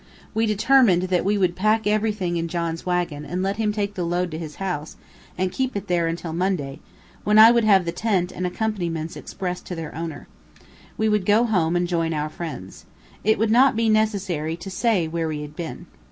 We determined that we would pack everything in John's wagon, and let him take the load to his house, and keep it there until Monday, when I would have the tent and accompaniments expressed to their owner. We would go home and join our friends. It would not be necessary to say where we had been.